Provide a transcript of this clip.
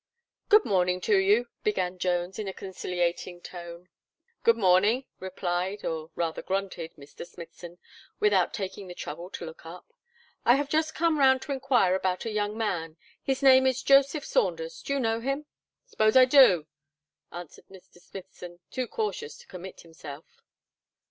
"Good morning to you," began Jones, in a conciliating tone. "Good morning!" replied, or rather, grunted Mr. Smithson, without taking the trouble to look up. "I have just come round to inquire about a young man his name is Joseph Saunders. Do you know him?" "S'pose I do?" answered Mr. Smithson too cautious to commit himself.